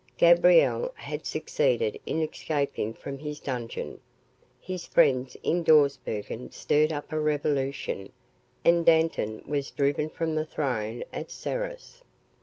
Gabriel had succeeded in escaping from his dungeon. His friends in Dawsbergen stirred up a revolution and Dantan was driven from the throne at Serros.